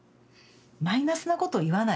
マイナスなこと言わない。